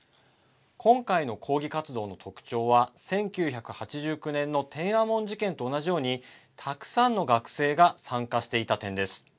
今回の抗議活動の特徴は１９８９年の天安門事件と同じようにたくさんの学生が参加していた点です。